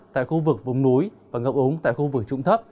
tại khu vực vùng núi và ngập ống tại khu vực trụng thấp